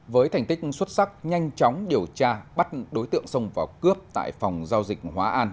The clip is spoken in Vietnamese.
với thành tích xuất sắc nhanh chóng điều tra bắt đối tượng sông vào cướp tại phòng giao dịch hóa an